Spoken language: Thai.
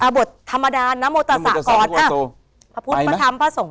อ่าบทธรรมดาน้ำโมตสะกอดน้ำโมตสะกอดพระพุทธพระธรรมพระสงฆ์